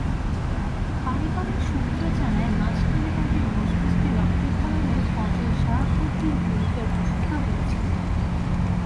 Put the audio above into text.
পারিবারিক সূত্র জানায়, মাস খানেক আগে মস্তিষ্কে রক্তক্ষরণে ফজল শাহাবুদ্দীন গুরুতর অসুস্থ হয়েছিলেন।